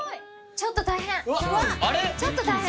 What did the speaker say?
ちょっと大変。